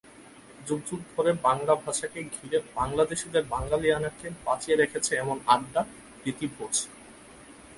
যুগ যুগ ধরে বাংলা ভাষাকে ঘিরে বাংলাদেশিদের বাঙালিয়ানাকে বাঁচিয়ে রেখেছে এমন আড্ডা, প্রীতি-ভোজ।